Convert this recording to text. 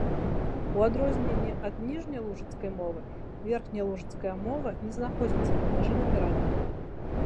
У адрозненні ад ніжнялужыцкай мовы верхнялужыцкая мова не знаходзіцца на мяжы вымірання.